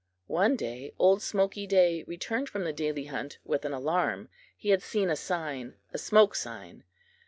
One day old Smoky Day returned from the daily hunt with an alarm. He had seen a sign a "smoke sign."